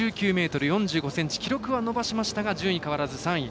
５９ｍ４５ｃｍ記録は伸ばしましたが順位変わらず３位。